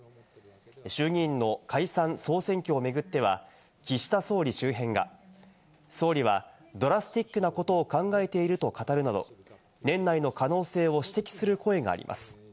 衆議院の解散・総選挙を巡っては、岸田総理周辺が総理はドラスティックなことを考えていると語るなど、年内の可能性を指摘する声があります。